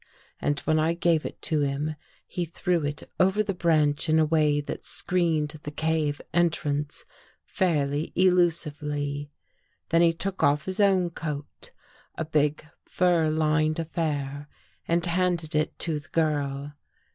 And when I gave it to him, he threw it over the branch in a way that screened the cave en trance fairly effectively. Then he took off his own coat — a big, fur lined affair, and handed it to the girl.